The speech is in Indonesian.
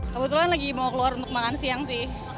kebetulan lagi mau keluar untuk makan siang sih